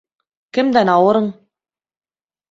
Кемдән ауырың?